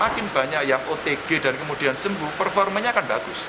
kalau yang otg dan kemudian sembuh performanya akan bagus